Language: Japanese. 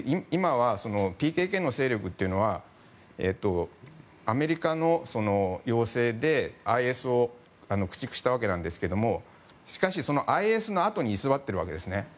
今はＰＫＫの勢力というのはアメリカの要請でＩＳを駆逐したわけなんですけどもしかし、そのＩＳのあとに居座っているわけですね。